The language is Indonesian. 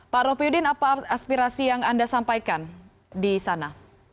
pak ropiudin apa aspirasi yang anda sampaikan di sana